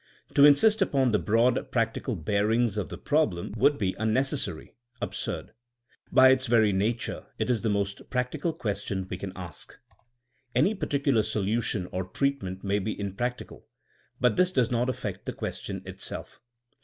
To insist upon the broad practical bearings of the problem would be un necessary, absurd. By its very nature it is the most practical'' question we can ask. Any THINKING A8 A SOIENOE 219 particular solution or treatment may be imprac tical, but this does not affect the question itself.